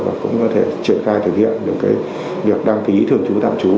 và cũng có thể triển khai thực hiện được việc đăng ký thường trú tạm trú